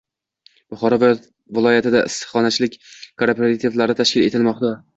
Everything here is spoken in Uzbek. Buxoro viloyatida issiqxonachilik kooperativlari tashkil etilmoqda